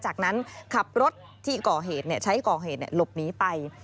จากนั้นขับรถที่ก่อเหตุใช้ก่อเหตุหลบหนีไป